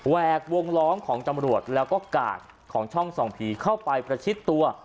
แวกวงล้อมของตำรวจแล้วก็กาดของช่องส่องผีเข้าไปประชิดตัว